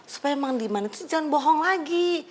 supaya mandiman itu jangan bohong lagi